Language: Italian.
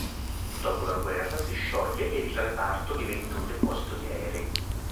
Dopo la guerra si scioglie ed il reparto diventa un deposito di aerei.